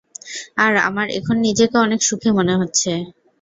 আর আমার এখন নিজেকে অনেক সুখী মনে হচ্ছে।